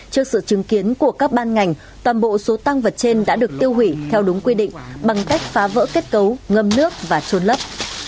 trước sự chứng kiến của các ban ngành toàn bộ số tăng vật trên đã được tiêu hủy theo đúng quy định bằng cách phá vỡ kết cấu ngâm nước và trôn lấp